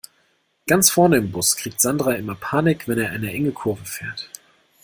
Ganz vorne im Bus kriegt Sandra immer Panik, wenn er eine enge Kurve fährt.